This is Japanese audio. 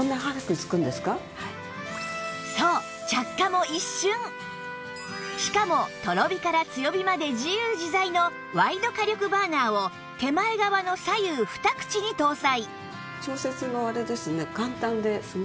そうしかもとろ火から強火まで自由自在のワイド火力バーナーを手前側の左右２口に搭載